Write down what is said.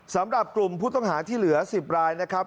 สำหรับกลุ่มผู้ต้องหาที่เหลือ๑๐รายนะครับ